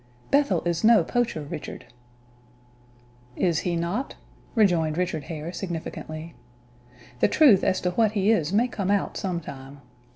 "Bethel is no poacher, Richard." "Is he not?" rejoined Richard Hare, significantly. "The truth as to what he is may come out, some time.